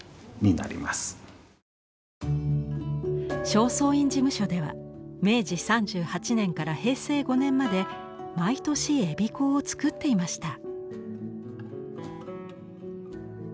正倉院事務所では明治３８年から平成５年まで毎年「衣香」を作っていました。